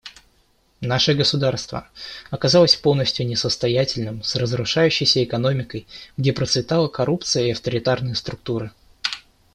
Наше государство оказалось полностью несостоятельным с разрушающейся экономикой, где процветала коррупция и авторитарные структуры.